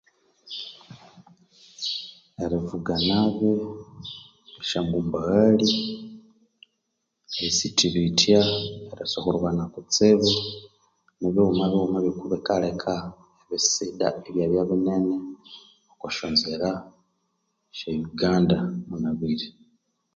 Erivugga nabe esyongumbaghali erisithibitya erisihurubana kutsi nibighuma bighuma byokubikaleka ebisidda ibyabya binene okwa syanzira sye Uganda⁸